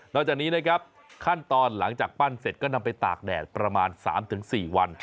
จากนี้นะครับขั้นตอนหลังจากปั้นเสร็จก็นำไปตากแดดประมาณ๓๔วัน